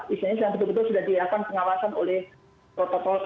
isinya yang betul betul sudah diakuan pengawasan oleh protokol